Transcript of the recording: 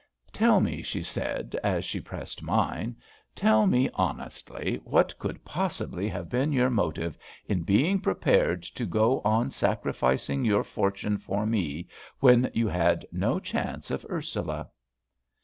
"Tell me," she said, as she pressed mine, "tell me honestly, what could possibly have been your motive in being prepared to go on sacrificing your fortune for me when you had no chance of Ursula?"